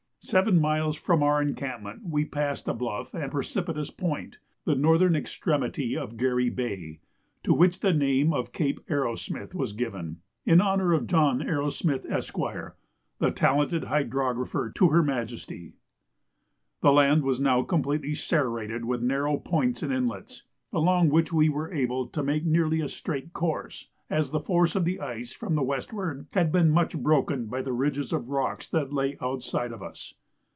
Seven miles from our encampment we passed a bluff and precipitous point, the northern extremity of Garry Bay, to which the name of Cape Arrowsmith was given, in honour of John Arrowsmith, Esq., the talented hydrographer to Her Majesty. The land was now completely serrated with narrow points and inlets, along which we were able to make nearly a straight course, as the force of the ice from the westward had been much broken by ridges of rocks that lay outside of us.